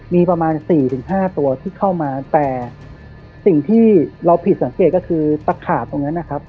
มีประมาณ๔๕ตัวที่เข้ามาแต่สิ่งที่เราผิดสังเกตก็คือตะขาบตรงนั้นนะครับ